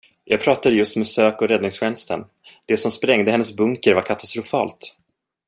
Jag pratade just med sök och räddningstjänsten, det som sprängde hennes bunker var katastrofalt.